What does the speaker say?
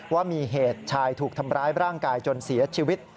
ว่ามีเหตุชายถูกทำร้ายร่างกายจนเสียชีวิต